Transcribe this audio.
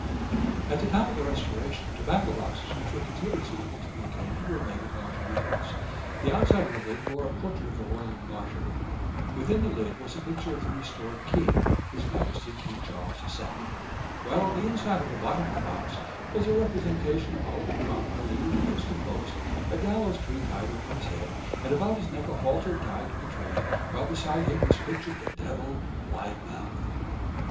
'" At the time of the Restoration tobacco boxes which were considered suitable to the occasion were made in large numbers. The outside of the lid bore a portrait of the Royal Martyr; within the lid was a picture of the restored king, His Majesty King Charles II; while on the inside of the bottom of the box was a representation of Oliver Cromwell leaning against a post, a gallows tree over his head, and about his neck a halter tied to the tree, while beside him was pictured the devil, wide mouthed.